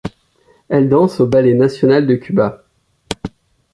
Elle danse au Ballet national de Cuba.